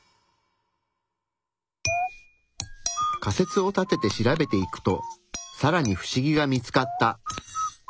仮説を立てて調べていくとさらにフシギが見つかった。